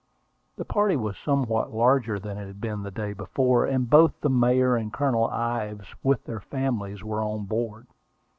The party was somewhat larger than it had been the day before, and both the Mayor and Colonel Ives, with their families, were on board.